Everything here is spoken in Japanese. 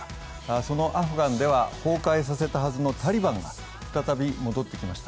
そのアフガンでは崩壊させたはずのタリバンが再び戻ってきました。